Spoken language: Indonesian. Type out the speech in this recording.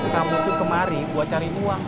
kamu tuh kemari buat cari uang